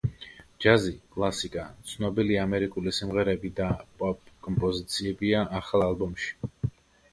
ჯაზი, კლასიკა, ცნობილი ამერიკული სიმღერები და პოპ კომპოზიციებია ახალ ალბომში.